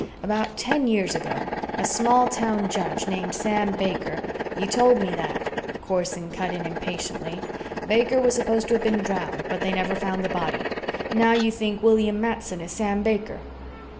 "About ten years ago a small town judge named Sam Baker " "You told me that," Corson cut in impatiently. "Baker was supposed to have been drowned, but they never found the body. Now, you think William Matson is Sam Baker?"